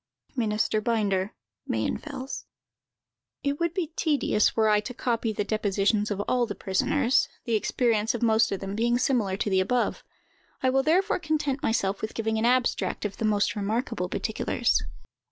"MINISTER BINDER, Mayenfels." It would be tedious, were I to copy the depositions of all the prisoners, the experience of most of them being similar to the above. I will therefore content myself with giving an abstract of the most remarkable particulars.